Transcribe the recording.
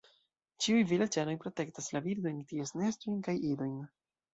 Ĉiuj vilaĝanoj protektas la birdojn, ties nestojn kaj idojn.